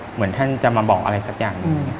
เหมือนท่านจะมาบอกอะไรสักอย่างหนึ่ง